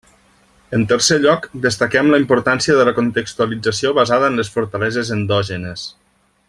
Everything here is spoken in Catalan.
En tercer lloc, destaquem la importància de la contextualització basada en les fortaleses endògenes.